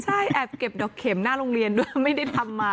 ใช่แอบเก็บดอกเข็มหน้าโรงเรียนด้วยไม่ได้ทำมา